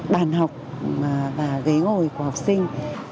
bàn học và ghế ngồi của học sinh